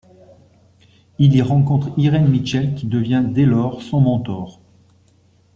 Il y rencontre Irene Mitchell qui devient dès lors son mentor.